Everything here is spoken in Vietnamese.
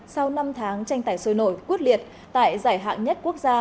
sau năm tháng tranh tải sôi nổi quyết liệt tại giải hạng nhất quốc gia